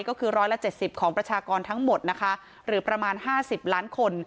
ก็คือร้อยละเจ็ดสิบของประชากรทั้งหมดนะคะหรือประมาณห้าสิบล้านคน